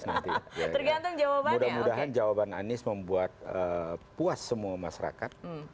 mudah mudahan jawaban anies membuat puas semua masyarakat